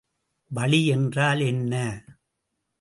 வளி என்றால் என்ன?